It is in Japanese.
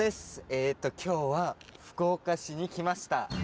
えっと今日は福岡市に来ました。